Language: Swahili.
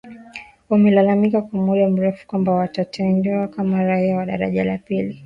Wamelalamika kwa muda mrefu kwamba wanatendewa kama raia wa daraja la pili